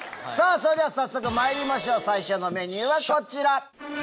それでは早速まいりましょう最初のメニューはこちら。